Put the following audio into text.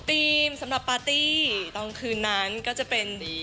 สำหรับปาร์ตี้ตอนคืนนั้นก็จะเป็นดี